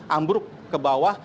ambruk ke bawah